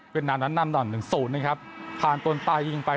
เวียดนามนั้นนำหน่อนหนึ่งศูนย์นะครับพาลตนตายยิงไป